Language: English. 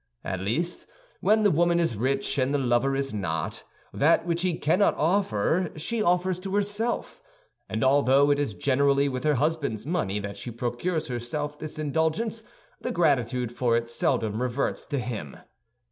At least, when the woman is rich and the lover is not, that which he cannot offer she offers to herself; and although it is generally with her husband's money that she procures herself this indulgence, the gratitude for it seldom reverts to him.